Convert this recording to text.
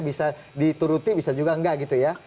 bisa dituruti bisa juga enggak gitu ya